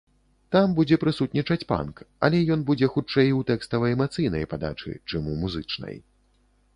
Там будзе прысутнічаць панк, але ён будзе хутчэй у тэкстава-эмацыйнай падачы, чым у музычнай.